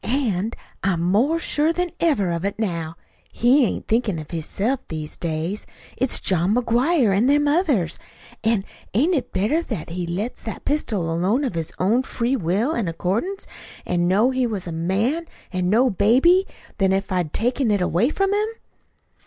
An' I'm more sure than ever of it now. He ain't thinkin' of hisself these days. It's John McGuire and them others. An' ain't it better that he let that pistol alone of his own free will an' accordance, an' know he was a man an' no baby, than if I'd taken it away from him?"